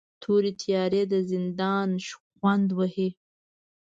تورې تیارې د زندان شخوند وهي